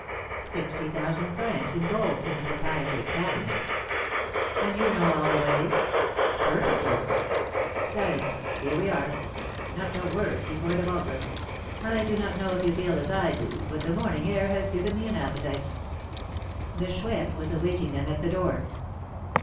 "Sixty thousand francs in gold in the proprietor's cabinet." "And you know all the ways?" "Perfectly." "Silence, here we are; not a word before the vulgar. I do not know if you feel as I do, but the morning air has given me an appetite." The Chouette was awaiting them at the door.